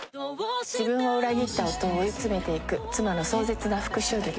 自分を裏切った夫を追い詰めていく妻の壮絶な復讐劇。